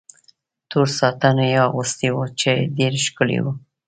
تور ساټن یې اغوستی و، چې ډېر ښکلی و.